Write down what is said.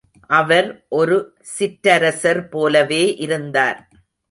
அவர் ஒரு சிற்றரசர் போலவே இருந்தார்.